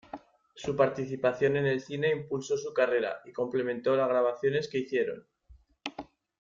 Su participación en el cine impulsó su carrera y complementó la grabaciones que hicieron.